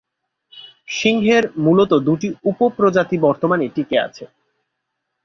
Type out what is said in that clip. সিংহের মূলত দুটি উপপ্রজাতি বর্তমানে টিকে আছে।